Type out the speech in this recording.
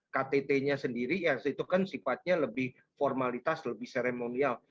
ktt nya sendiri ya sifatnya kasiga lebih formalitas lebih ceremonial